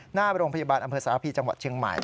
หน้าไปโรงพยาบาลอำเภษศาสตร์ภีร์จังหวัดเชียงใหม่